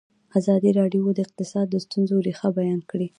ازادي راډیو د اقتصاد د ستونزو رېښه بیان کړې.